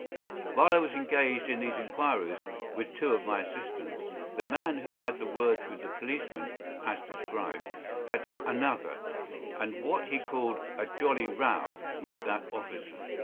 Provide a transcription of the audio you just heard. While I was engaged in these inquiries, with two of my assistants, the man who had the words with the policeman, as described, had another, and what he called “a jolly row,” with that officer.